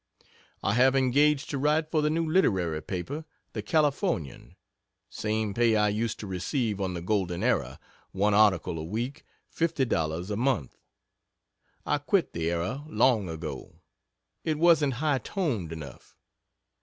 I have engaged to write for the new literary paper the "Californian" same pay I used to receive on the "Golden Era" one article a week, fifty dollars a month. I quit the "Era," long ago. It wasn't high toned enough.